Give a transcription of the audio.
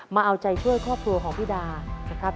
มาเอาใจช่วยครอบครัวของพี่ดานะครับ